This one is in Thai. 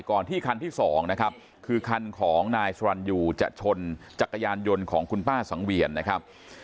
ที่คันที่สองนะครับคือคันของนายสรรยูจะชนจักรยานยนต์ของคุณป้าสังเวียนนะครับ